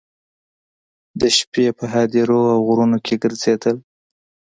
د شپې په هدیرو او غرونو کې ګرځېدل.